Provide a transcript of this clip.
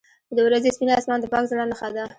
• د ورځې سپین آسمان د پاک زړه نښه ده.